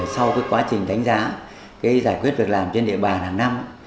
sau quá trình đánh giá giải quyết việc làm trên địa bàn hàng năm